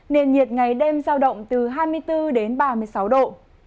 nền nhiệt ngày đêm giao động từ hai mươi bốn đến ba mươi sáu độ